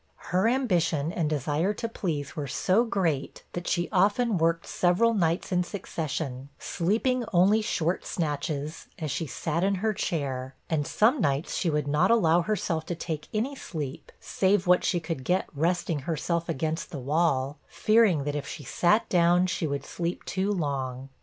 Her ambition and desire to please were so great, that she often worked several nights in succession, sleeping only short snatches, as she sat in her chair; and some nights she would not allow herself to take any sleep, save what she could get resting herself against the wall, fearing that if she sat down, she would sleep too long.